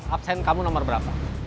absen kamu berapa